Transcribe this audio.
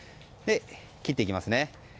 切っていきます。